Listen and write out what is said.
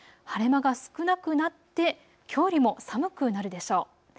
晴れ間が少なくなってきょうよりも寒くなるでしょう。